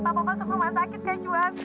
pak pokok langsung ke rumah sakit kak juan